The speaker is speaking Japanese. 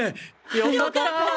よかった！